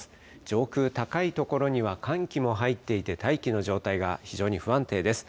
上空高い所には寒気も入っていて、大気の状態が非常に不安定です。